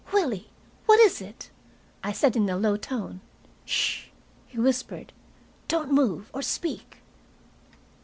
"Willie! What is it?" I said in a low tone. "'Sh," he whispered. "Don't move or speak."